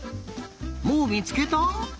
もうみつけた？